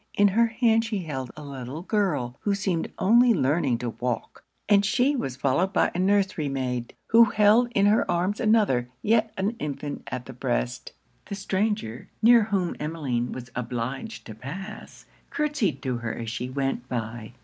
In her hand she held a little girl, who seemed only learning to walk; and she was followed by a nursery maid, who held in her arms another, yet an infant at the breast. The stranger, near whom Emmeline was obliged to pass, curtsyed to her as she went by.